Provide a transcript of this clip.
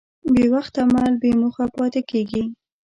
بېوخت عمل بېموخه پاتې کېږي.